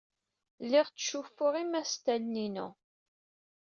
Lliɣ ttcuffuɣ imastalen-inu.